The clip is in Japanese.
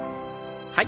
はい。